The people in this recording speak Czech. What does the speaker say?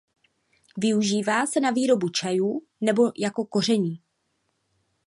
Využívá se na výrobu čajů nebo jako koření.